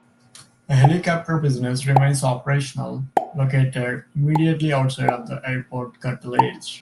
A helicopter business remains operational, located immediately outside of the airport curtilage.